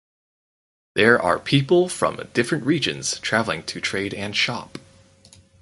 There are people from different regions traveling to trade and shop.